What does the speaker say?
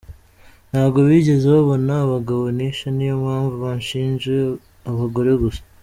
Ntabwo bigeze babona abagabo nishe niyo mpamvu banshinje abagore gusa.